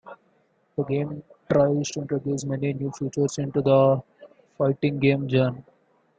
The game tries to introduce many new features into the fighting game genre.